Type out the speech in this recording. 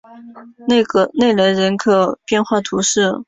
内雷人口变化图示